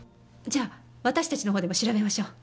じゃあ私たちの方でも調べましょう。